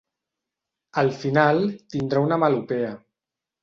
Al final, tindrà una melopea.